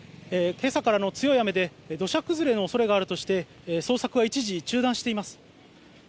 今朝からの強い雨で、土砂崩れのおそれがあるということで捜索は一時、中断しています。